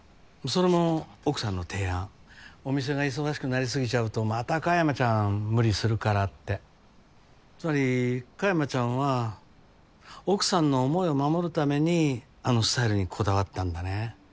それも奥さんの提案お店が忙しくなりすぎちゃうとまた香山ちゃん無理するからってつまり香山ちゃんは奥さんの思いを守るためにあのスタイルにこだわったんだね